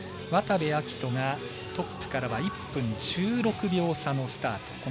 渡部暁斗がトップからは１分１６秒差のスタート。